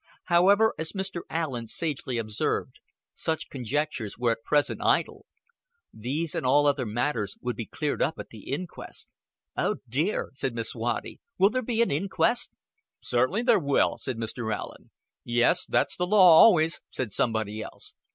However, as Mr. Allen sagely observed, such conjectures were at present idle. These and all other matters would be cleared up at the inquest. "Oh, dear!" said Miss Waddy. "Will there have to be an inquest?" "Certainly there will," said Mr. Allen. "Yes, that's the law always," said somebody else.